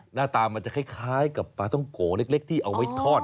หน้าตามันจะคล้ายกับปลาท่องโกเล็กที่เอาไว้ทอด